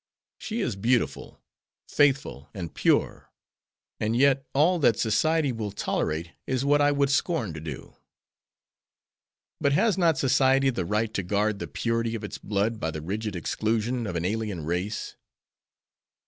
She is beautiful, faithful, and pure, and yet all that society will tolerate is what I would scorn to do." "But has not society the right to guard the purity of its blood by the rigid exclusion of an alien race?"